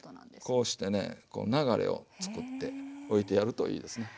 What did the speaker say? こうしてねこう流れを作って置いてやるといいですね。